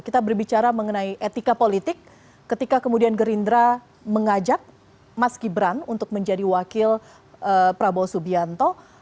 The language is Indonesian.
kita berbicara mengenai etika politik ketika kemudian gerindra mengajak mas gibran untuk menjadi wakil prabowo subianto